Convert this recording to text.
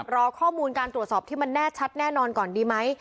รอข้อมูลการตรวจสอบที่มันแน่ชัดแน่นอนก่อนดีไหม